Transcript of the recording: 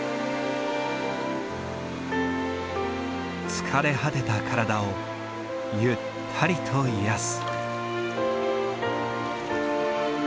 疲れ果てた体をゆったりと癒やす。